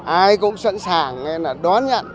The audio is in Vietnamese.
ai cũng sẵn sàng đón nhận